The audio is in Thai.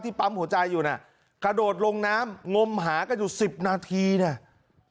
ปั๊มหัวใจอยู่น่ะกระโดดลงน้ำงมหากันอยู่สิบนาทีเนี่ย